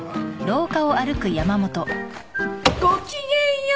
ごきげんよう！